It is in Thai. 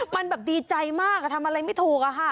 มันแบบดีใจมากทำอะไรไม่ถูกอะค่ะ